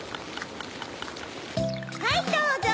はいどうぞ！